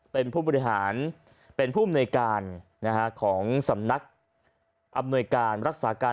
เป็นผู้บริหารเป็นผู้อำนวยการของสำนักอำนวยการรักษาการ